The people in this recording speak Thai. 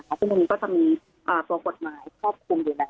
วันนี้ก็จะมีตัวกฎหมายควบคุมอยู่แล้ว